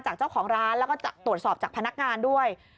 จากเจ้าของร้านแล้วก็ตรวจสอบจากพนักงานด้วย